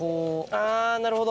あぁなるほど。